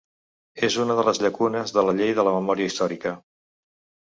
És una de les llacunes de la llei de la memòria històrica.